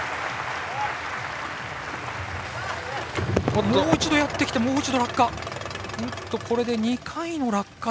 もう一度やってきてもう一度落下。